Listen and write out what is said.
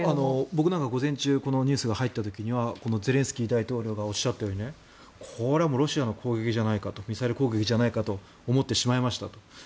僕なんか、午前中このニュースが入った時にはゼレンスキー大統領がおっしゃったようにこれはロシアの攻撃じゃないかとミサイル攻撃じゃないかと思ってしまいましたと。